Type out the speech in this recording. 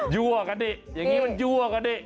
ั่วกันดิอย่างนี้มันยั่วกันดิ